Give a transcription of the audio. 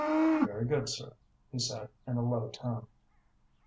"Very good, sir," he said, in a low tone.